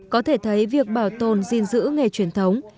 có thể thấy việc bảo tồn gìn giữ nghề truyền thống